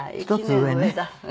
１つ上ね。